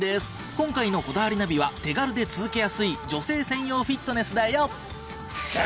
今回の『こだわりナビ』は手軽で続けやすい女性専用フィットネスだよ。